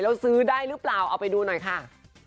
แล้วซื้อได้หรือเปล่าเอาไปดูหน่อยค่ะ